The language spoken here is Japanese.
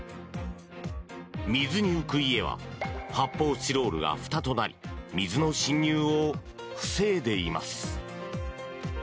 水に浮く家は発泡スチロールがふたとなり水の浸入を防いでいます。